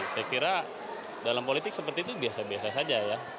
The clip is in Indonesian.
saya kira dalam politik seperti itu biasa biasa saja ya